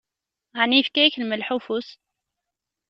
Ɛni yefka-yak lmelḥ ufus?